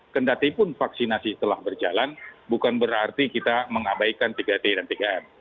kendatipun vaksinasi telah berjalan bukan berarti kita mengabaikan tiga t dan tiga m